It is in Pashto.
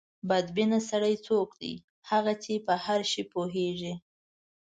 بد بینه سړی څوک دی؟ هغه چې په هر شي پوهېږي.